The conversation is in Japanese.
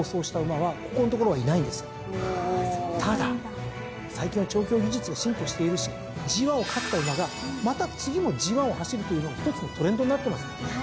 ただ最近は調教技術が進歩しているしＧⅠを勝った馬がまた次もＧⅠを走るというのが一つのトレンドになってますからね。